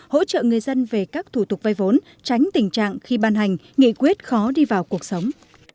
hỗ trợ người dân về các thủ tục vay vốn tránh tình trạng khi ban hành nghị quyết khó đi vào cuộc sống